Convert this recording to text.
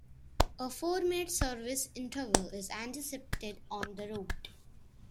A four-minute service interval is anticipated on the route.